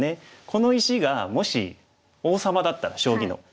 この石がもし王様だったら将棋の。